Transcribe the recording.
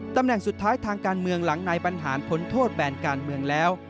ตำแหน่งสุดท้ายทางการเมืองหลังนายบรรหารพ้นโทษแบนการเมืองแล้ว